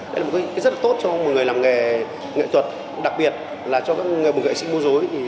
đây là một cái rất là tốt cho một người làm nghề nghệ thuật đặc biệt là cho một nghệ sĩ mô dối